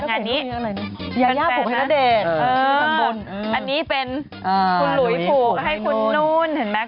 งานนี้เป็นแฟนนะอันนี้เป็นคุณหลุยผูกให้คุณนู้นเห็นไหม